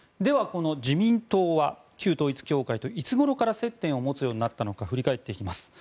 この自民党は旧統一教会といつごろから接点を持つようになったのか振り返っていきます。